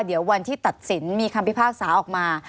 เดี๋ยววันที่ตัดสินมีคำพิพากษาออกมา